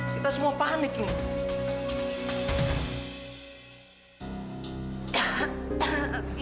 kita semua panik nih